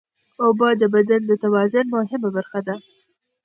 اوبه د بدن د توازن مهمه برخه ده.